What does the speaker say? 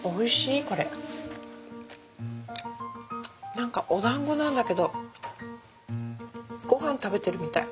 何かお団子なんだけど御飯食べてるみたい。